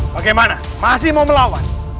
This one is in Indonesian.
bagaimana masih mau melawan